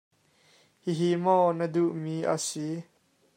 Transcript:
Hihi maw na duh mi a si?